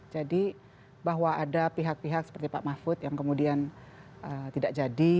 jadi bahwa ada pihak pihak seperti pak mahfud yang kemudian tidak jadi